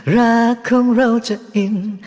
รักของเราจะอิ่ม